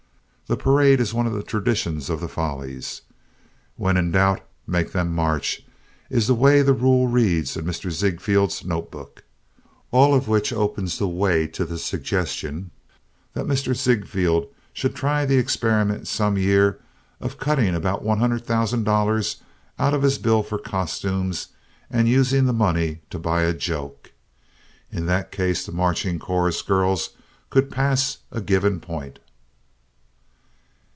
The parade is one of the traditions of the Follies. "When in doubt make them march," is the way the rule reads in Mr. Ziegfeld's notebook. All of which opens the way to the suggestion that Mr. Ziegfeld should try the experiment some year of cutting about $100,000 out of his bill for costumes and using the money to buy a joke. In that case the marching chorus girls could pass a given point.